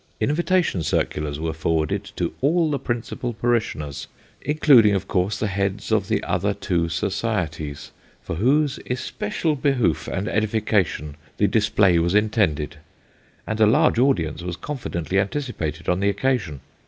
Invitation circulars were forwarded to all the principal parishioners, including, of course, the heads of the other two societies, for whose especial behoof and edification the display was intended ; and a large audience was confidently anticipated on the occasion.